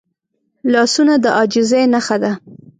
لاسونه د عاجزۍ نښه ده